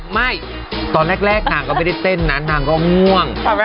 ไม่ตอนแรกนางก็ไม่ได้เต้นนะนางก็ง่วง